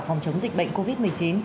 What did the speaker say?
phòng chống dịch bệnh covid một mươi chín